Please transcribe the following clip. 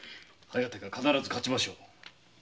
「疾風」が必ず勝ちましょう。